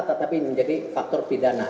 tetapi menjadi faktor pidana